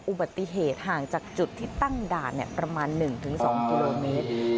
อุบัติเหตุห่างจากจุดที่ตั้งด่านประมาณ๑๒กิโลเมตร